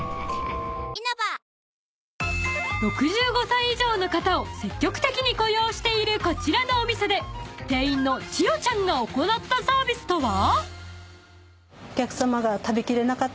［６５歳以上の方を積極的に雇用しているこちらのお店で店員のちよちゃんが行ったサービスとは？］